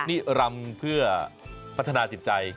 นี่รำเพื่อพัฒนาจิตใจ